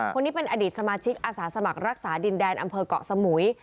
คนนี้เป็นอดีตสมาชิกอาสาสมัครรักษาดินแดนอำเภอกเกาะสมุย